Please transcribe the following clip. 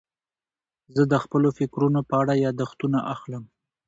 زه د خپلو فکرونو په اړه یاداښتونه اخلم.